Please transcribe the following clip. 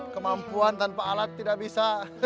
kemampuan tanpa alat tidak bisa